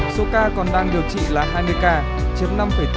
số ca còn đang điều trị là hai mươi ca chiếm năm bốn